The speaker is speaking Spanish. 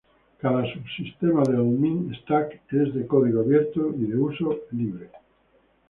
Cada subsistema del Mean stack es de código abierto y de uso gratuito.